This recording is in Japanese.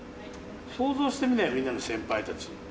想像してみなよ、みんなの先輩たち。